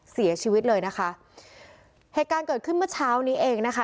เสียชีวิตเลยนะคะเหตุการณ์เกิดขึ้นเมื่อเช้านี้เองนะคะ